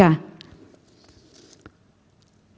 yang mana keduanya akhirnya dinyatakan melanggar etika